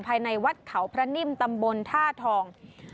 ภายในวัดเขาพระนิ่มตำบลท่าทอง